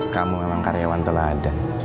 kamu memang karyawan telah ada